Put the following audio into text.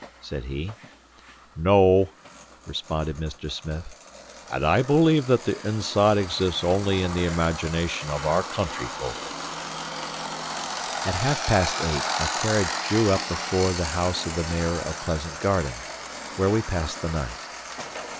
said he. "No," responded Mr. Smith, "and I believe that the inside exists only in the imagination of our country folk." At half past eight our carriage drew up before the house of the Mayor of Pleasant Garden, where we passed the night.